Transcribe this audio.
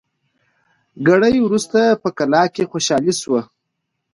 ګړی وروسته په کلا کي خوشالي سوه